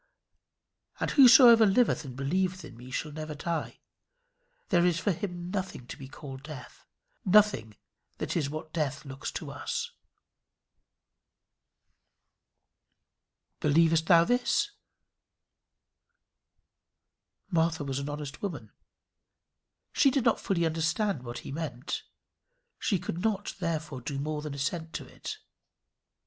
"And whosoever liveth and believeth in me shall never die." There is for him nothing to be called death; nothing that is what death looks to us. "Believest thou this?" Martha was an honest woman. She did not fully understand what he meant. She could not, therefore, do more than assent to it.